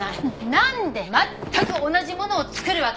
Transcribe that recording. なんで全く同じものを造るわけ！？